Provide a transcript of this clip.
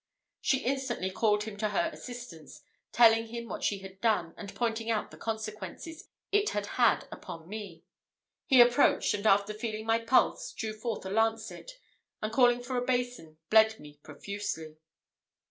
She instantly called him to her assistance, telling him what she had done, and pointing out the consequences it had had upon me. He approached, and after feeling my pulse, drew forth a lancet, and, calling for a basin, bled me profusely.